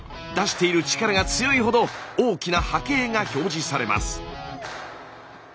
出している力が強いほど大きな波形が表示されます。